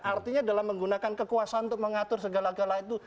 artinya dalam menggunakan kekuasaan untuk mengatur segala gala itu